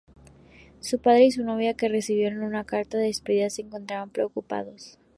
Su padre y su novia, que recibieron una carta de despedida, se encontraban preocupados.